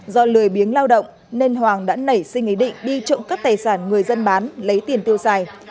do lời biếng lao động nên hoàng đã nảy sinh ý định đi trộm cắp tài sản người dân bán lấy tiền tiêu xài